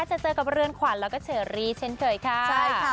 จะเจอกับเรือนขวัญแล้วก็เฉอรีเชนเขยค่ะ